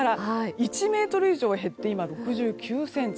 １ｍ以上減って今６９ｃｍ。